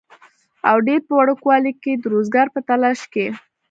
او ډېر پۀ وړوکوالي کښې د روزګار پۀ تالاش کښې